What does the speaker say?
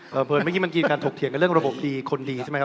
เมื่อกี้บางทีการถกเถียงกันเรื่องระบบดีคนดีใช่ไหมครับ